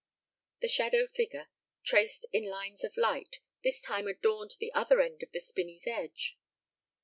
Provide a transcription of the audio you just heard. The shadow figure, traced in lines of light, this time adorned the other end of the spinney's edge.